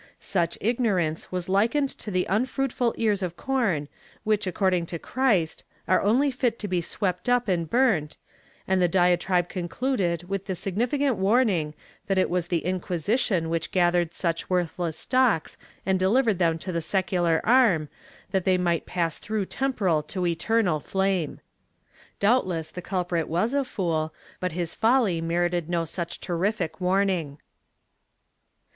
Such ignorance was likened to the unfruitful ears of corn which, according to Christ, are only fit to be swept up and burnt, and the diatribe concluded with the significant warning that it was the Inquisition which gathered such worthless stocks and deliv ered them to the secular arm, that they might pass through temporal to eternal flame.^ Doubtless the culprit was a fool, but his folly merited no such terrific warning.